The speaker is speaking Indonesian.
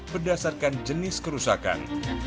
berdasarkan jenis kerusakan